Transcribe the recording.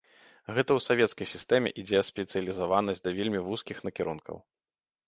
Гэта ў савецкай сістэме ідзе спецыялізаванасць да вельмі вузкіх накірункаў.